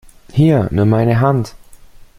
Hier, nimm meine Hand!